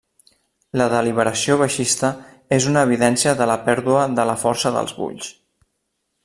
La deliberació baixista és una evidència de la pèrdua de la força dels bulls.